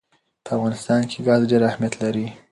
په افغانستان کې ګاز ډېر اهمیت لري.